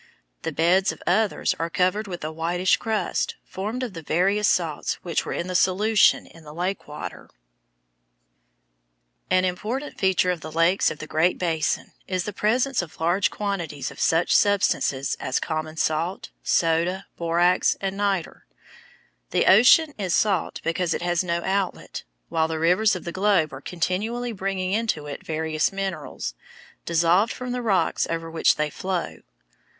The beds of others are covered with a whitish crust, formed of the various salts which were in solution in the lake water. [Illustration: FIG. 44. ROGERS LAKE, MOHAVE DESERT A playa lake] An important feature of the lakes of the Great Basin is the presence of large quantities of such substances as common salt, soda, borax, and nitre. The ocean is salt because it has no outlet, while the rivers of the globe are continually bringing into it various minerals, dissolved from the rocks over which they flow.